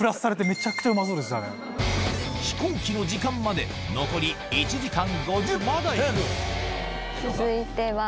飛行機の時間まで残り１時間５０分続いては。